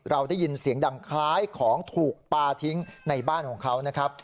เราได้ยินเสียงดังคล้ายของถูกปลาทิ้งในบ้านของเขานะครับ